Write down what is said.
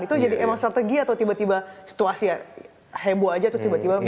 itu jadi emang strategi atau tiba tiba situasi ya heboh aja terus tiba tiba